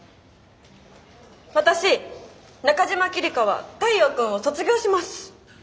私中島希梨香は太陽君を卒業します。